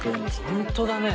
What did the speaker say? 本当だね。